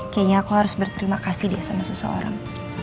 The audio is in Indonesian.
kayaknya aku harus berterima kasih dia sama seseorang